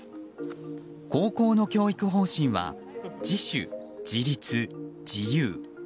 高校の教育方針は自主・自律・自由。